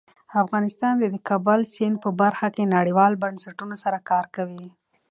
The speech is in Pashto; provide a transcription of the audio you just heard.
افغانستان د د کابل سیند په برخه کې نړیوالو بنسټونو سره کار کوي.